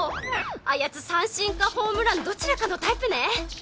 あやつ三振かホームランどちらかのタイプね